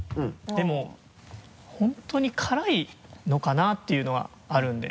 でも本当に辛いのかな？っていうのはあるんで。